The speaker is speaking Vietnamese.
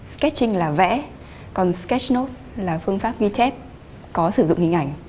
sketching là vẽ còn sketch note là phương pháp ghi chép có sử dụng hình ảnh